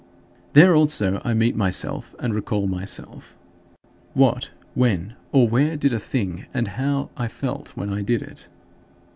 There also I meet myself and recall myself what, when, or where I did a thing, and how I felt when I did it.